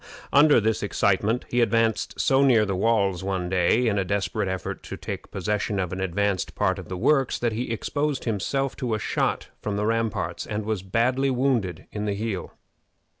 Under this excitement he advanced so near the walls one day, in a desperate effort to take possession of an advanced part of the works, that he exposed himself to a shot from the ramparts, and was badly wounded in the heel.